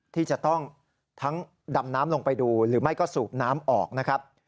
ที่จะต้องทั้งดำน้ำลงไปดูหรือไม่ก็สูบน้ำออกนะครับ